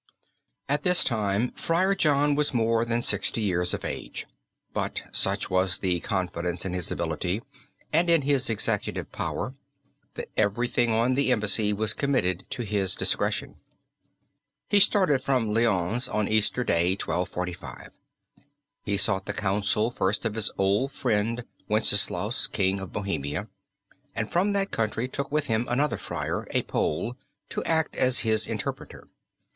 At this time Friar John was more than sixty years of age, but such was the confidence in his ability and in his executive power that everything on the embassy was committed to his discretion. He started from Lyons on Easter Day, 1245. He sought the counsel first of his old friend Wenceslaus, King of Bohemia, and from that country took with him another friar, a Pole, to act as his interpreter.